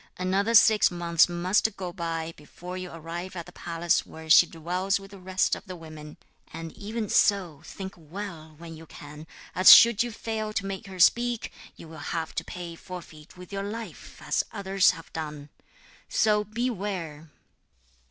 Another six months must go by before you arrive at the palace where she dwells with the rest of the women. And, even so, think well, when you can, as should you fail to make her speak, you will have to pay forfeit with your life, as others have done. So beware!'